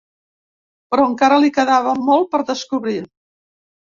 Però encara li quedava molt per descobrir.